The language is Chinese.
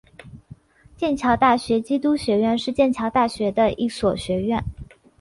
剑桥大学基督学院是剑桥大学的一所学院。